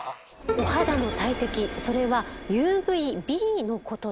お肌の大敵それはＵＶーＢのことです。